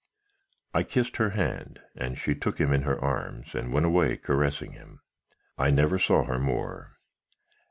I kissed her hand, and she took him in her arms, and went away caressing him. I never saw her more.